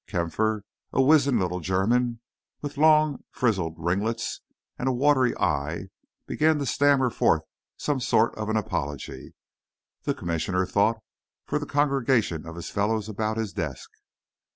Kampfer, a wizened little German, with long, frizzled ringlets and a watery eye, began to stammer forth some sort of an apology, the Commissioner thought, for the congregation of his fellows about his desk.